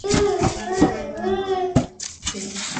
আমি তার ব্যবস্থা নিচ্ছি।